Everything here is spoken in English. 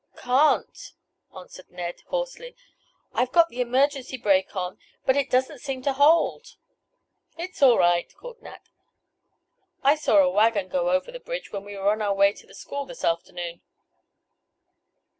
"Can't!" answered Ned hoarsely. "I've got the emergency brake on, but it doesn't seem to hold." "It's all right," called Nat. "I saw a wagon go over the bridge when we were on our way to the school this afternoon."